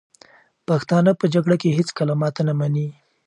پښتانه په جګړه کې هېڅکله ماته نه مني.